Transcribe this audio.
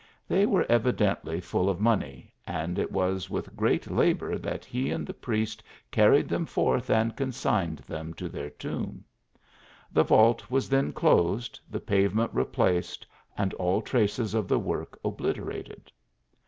They were evidently full of money, and it was with great labour that he and the priest carried them forth and consigned them to their tomb. The vault was then closed, the pave ment replaced and all traces of the work obliterated.